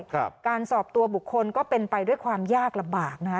การสอบตัวบุคคลก็เป็นไปด้วยความยากลำบากนะคะ